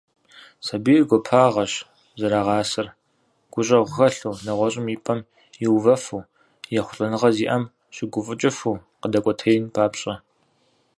Сабийр гуапагъэщ зэрагъасэр, гущӏэгъу хэлъу, нэгъуэщӏым и пӏэм иувэфу, ехъулӏэныгъэ зиӏэм щыгуфӏыкӏыфу къыдэкӏуэтеин папщӏэ.